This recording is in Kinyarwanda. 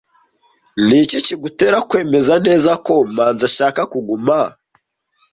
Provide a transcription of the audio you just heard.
Ni iki kigutera kwemeza neza ko Manzi ashaka kuguma?